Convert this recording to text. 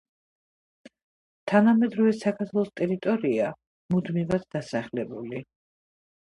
თანამედროვე საქართველოს ტერიტორია მუდმივად დასახლებული